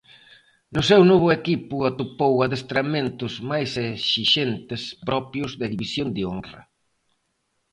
No seu novo equipo atopou adestramentos máis exixentes, propios da División de Honra.